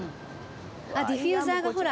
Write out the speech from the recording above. あっディフューザーがほら。